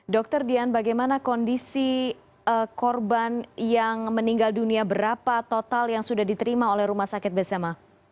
dr dian bagaimana kondisi korban yang meninggal dunia berapa total yang sudah diterima oleh rumah sakit besema